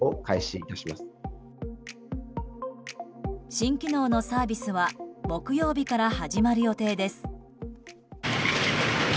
新機能のサービスは木曜日から始まる予定です。